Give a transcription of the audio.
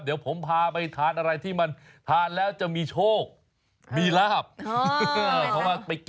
เดี๋ยวผมพาไปทานอะไรที่มันทานแล้วจะมีโชคมีลาบ